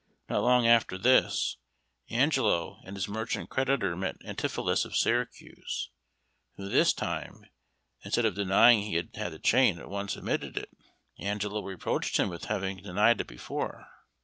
Not long after this, Angelo and his merchant creditor met Antipholus of Syracuse, who this time, instead of denying he had had the chain, at once admitted it. Angelo reproached him with having denied it before.